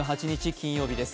金曜日です。